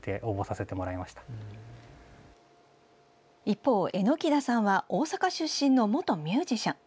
一方、榎田さんは大阪出身の元ミュージシャン。